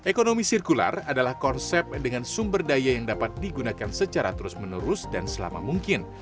ekonomi sirkular adalah konsep dengan sumber daya yang dapat digunakan secara terus menerus dan selama mungkin